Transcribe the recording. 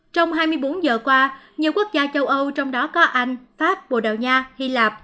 trong hai mươi bốn giờ qua nhiều quốc gia châu âu trong đó có anh pháp bồ đào nha hy lạp